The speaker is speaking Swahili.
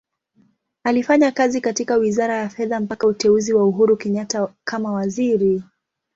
Alifanya kazi katika Wizara ya Fedha mpaka uteuzi wa Uhuru Kenyatta kama Waziri.